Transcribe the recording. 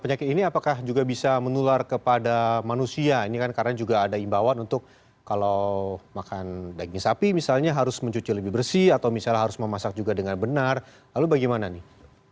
penyakit ini apakah juga bisa menular kepada manusia ini kan karena juga ada imbauan untuk kalau makan daging sapi misalnya harus mencuci lebih bersih atau misalnya harus memasak juga dengan benar lalu bagaimana nih